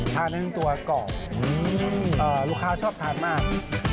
ทานทั้งตัวกรอบลูกค้าชอบทานมาก